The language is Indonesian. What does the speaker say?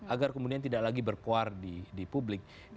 agar kemudian tidak lagi berkuar di publik